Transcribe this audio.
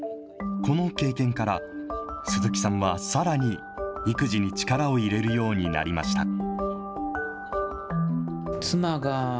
この経験から、鈴木さんはさらに育児に力を入れるようになりました。